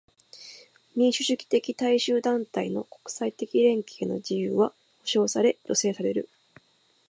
民主主義的大衆団体の国際的連携の自由は保障され助成される。